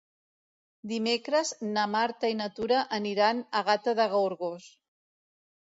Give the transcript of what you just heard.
Dimecres na Marta i na Tura aniran a Gata de Gorgos.